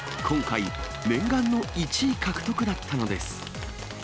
今回、念願の１位獲得だったのです。